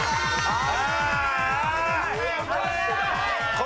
ああ。